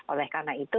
oleh karena itu